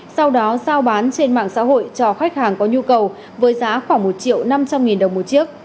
sau đó giao bán trên mạng xã hội cho khách hàng có nhu cầu với giá khoảng một triệu năm trăm linh nghìn đồng một chiếc